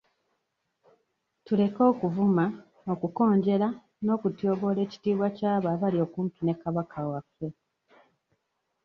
Tuleke okuvuma, okukonjera n'okutyoboola ekitiibwa ky'abo abali okumpi ne Kabaka waffe .